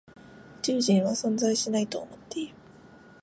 宇宙人は存在しないと思っている。